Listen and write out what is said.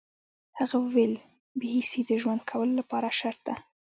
هغه وویل بې حسي د ژوند کولو لپاره شرط ده